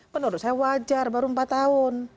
menurut saya wajar baru empat tahun